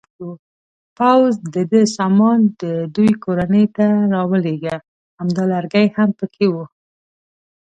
پوځ د ده سامان د دوی کورنۍ ته راولېږه، همدا لرګی هم پکې و.